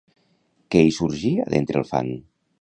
Què hi sorgia d'entre el fang?